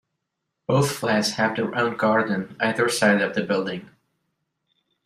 Both flats have their own garden either side of the building.